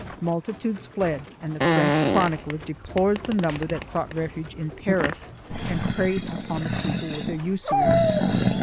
Multitudes fled and the French chron icler deplores the number that sought refuge in Paris and preyed upon the people with their usuries.